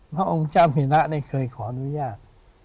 พระองค์เจ้าหิณะได้เคยขออนุญาต